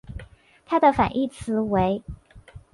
它的反义词为。